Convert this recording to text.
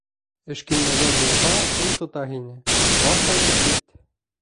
Эшкинмәгән булһа, кем тота һине, бар ҡайтып кит!